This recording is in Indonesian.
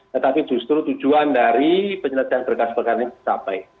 tetapi justru tujuan dari penyelesaian berkas perganan sampai